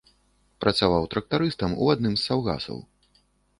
Працаваў трактарыстам у адным з саўгасаў.